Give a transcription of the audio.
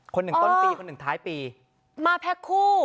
หนึ่งต้นปีคนหนึ่งท้ายปีมาแพ็คคู่